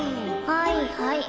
はいはい。